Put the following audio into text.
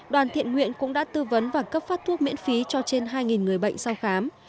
đoàn thiện nguyện cũng đã tư vấn và cấp phát thuốc miễn phí cho trên hai người bệnh sau khám